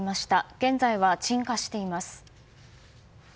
現在は鎮火しています。